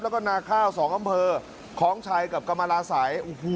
แล้วก็นาข้าว๒อำเภอคล้องชัยกับกรรมราศัย